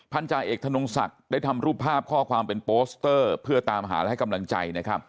จาเอกธนงศักดิ์ได้ทำรูปภาพข้อความเป็นโปสเตอร์เพื่อตามหาและให้กำลังใจนะครับ